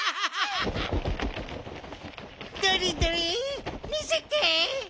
どれどれみせて！